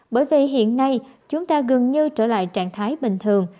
bởi vì hiện nay chúng ta gần như trở lại trạng thái bình thường